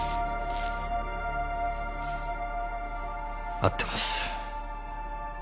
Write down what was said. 合ってます。